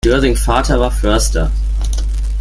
Döring Vater war Förster.